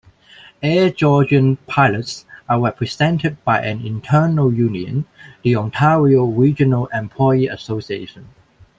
Air Georgian pilots are represented by an internal union, the Ontario Regional Employee Association.